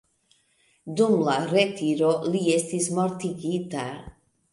Dum la retiro, li estis mortigita.